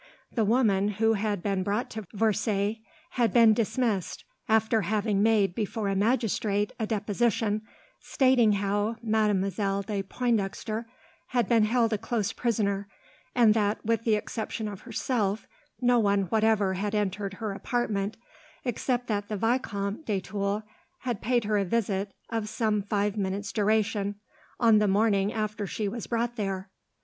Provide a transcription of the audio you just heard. The woman, who had been brought to Versailles, had been dismissed, after having made before a magistrate a deposition, stating how Mademoiselle de Pointdexter had been held a close prisoner, and that, with the exception of herself, no one whatever had entered her apartment, except that the Vicomte de Tulle had paid her a visit, of some five minutes' duration, on the morning after she was brought there.